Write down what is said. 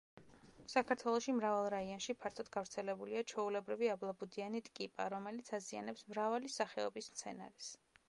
საქართველოში მრავალ რაიონში ფართოდ გავრცელებულია ჩვეულებრივი აბლაბუდიანი ტკიპა, რომელიც აზიანებს მრავალი სახეობის მცენარეს.